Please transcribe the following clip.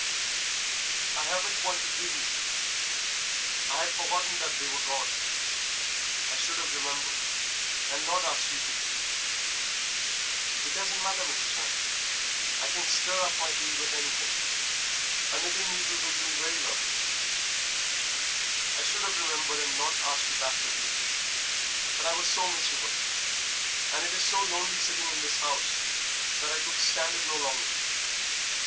"I haven't one to give you; I had forgotten that they were gone. I should have remembered and not asked you to tea." "It don't matter, Mrs. Randal; I can stir up my tea with anything a knitting needle will do very well " "I should have remembered and not asked you back to tea; but I was so miserable, and it is so lonely sitting in this house, that I could stand it no longer....